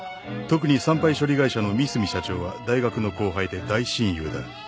特に産廃処理会社の三隅社長は大学の後輩で大親友だ。